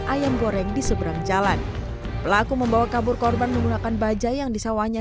ayam goreng di seberang jalan pelaku membawa kabur korban menggunakan bajai yang disawahnya